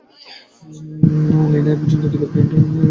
লি Na এ পর্যন্ত দুইবার গ্র্যান্ড স্ল্যাম এককের ফাইনালে অংশগ্রহণ করেছেন।